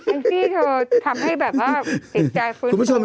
แอมซี่ทำให้แบบว่าติดใจคุณผู้ชม